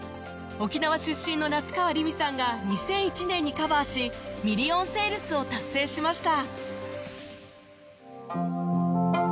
沖縄出身の夏川りみさんが２００１年にカバーしミリオンセールスを達成しました